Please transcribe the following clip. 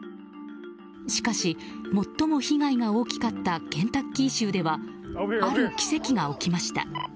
しかし、最も被害が大きかったケンタッキー州ではある奇跡が起きました。